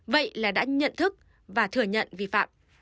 vậy là đã nhận thức và thừa nhận vi phạm